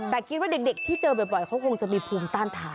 แต่คิดว่าเด็กที่เจอบ่อยเขาคงจะมีภูมิต้านทาน